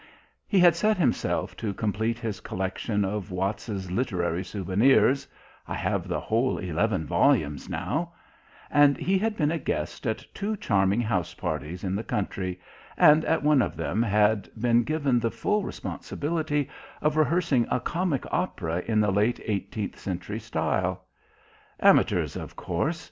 He had set himself to complete his collection of Watts's Literary Souvenirs "I have the whole eleven volumes now " And he had been a guest at two charming house parties in the country, and at one of them had been given the full responsibility of rehearsing a comic opera in the late eighteenth century style. "Amateurs, of course.